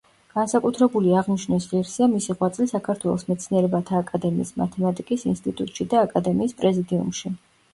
განსაკუთრებული აღნიშვნის ღირსია მისი ღვაწლი საქართველოს მეცნიერებათა აკადემიის მათემატიკის ინსტიტუტში და აკადემიის პრეზიდიუმში.